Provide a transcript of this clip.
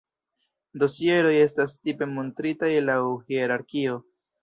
Dosieroj estas tipe montritaj laŭ hierarkio.